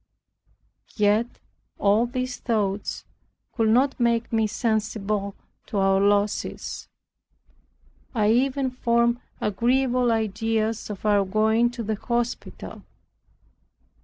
Yet all these thoughts could not make me sensible to our losses. I even formed agreeable ideas of our going to the hospital.